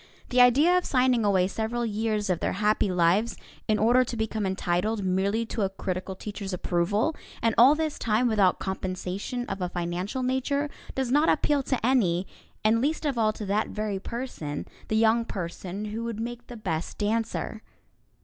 The idea of signing away several years of their happy lives in order to become entitled merely to a critical teacher's approval, and all this time without compensation of a financial nature, does not appeal to any, and least of all to that very person, the young person who would make the best dancer.